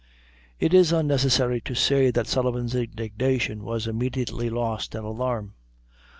It is unnecessary to say that Sullivan's indignation was immediately lost in alarm.